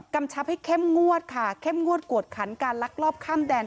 กำชับให้เข้มงวดเข้มงวดกลวดขันการรักรอบขั้นแดน